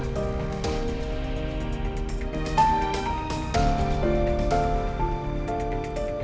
aku juga mau